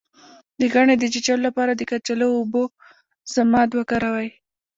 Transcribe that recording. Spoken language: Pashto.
د غڼې د چیچلو لپاره د کچالو او اوبو ضماد وکاروئ